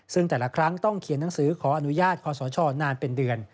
ซึ่งแต่ละครั้งต้องเขียนหนังสือขออนุญาตคอสชนานเป็นเดือน